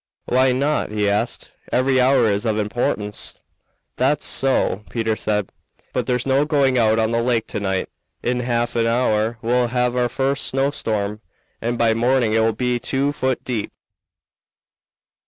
"Why not?" he asked. "Every hour is of importance." "That's so," Peter said, "but there's no going out on the lake to night. In half an hour we'll have our first snowstorm, and by morning it will be two foot deep."